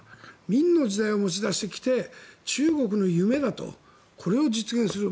明の時代を持ち出してきて中国の夢だとこれを実現する。